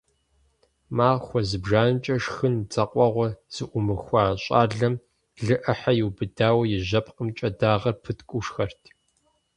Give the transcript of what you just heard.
Махуэ зыбжанэкӀэ шхын дзакъэгъуэ зыӏумыхуа щӏалэм лы Ӏыхьэ иубыдауэ и жьэпкъыпэмкӀэ дагъэр пыткӀуу шхэрт.